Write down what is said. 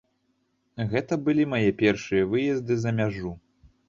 Гэта былі мае першыя выезды за мяжу.